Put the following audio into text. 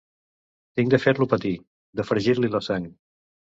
Tinc de fer-lo patir, de fregir-li la sang.